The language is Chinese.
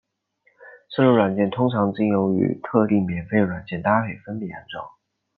这类软件通常经由与特定免费软件搭配分别安装。